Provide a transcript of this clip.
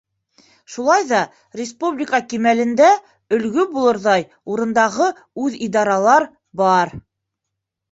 Шулай ҙа республика кимәлендә өлгө булырҙай урындағы үҙидаралар бар.